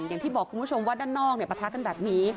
อย่างที่บอกคุณผู้ชมว่าด้านนอกประทะกันแบบนี้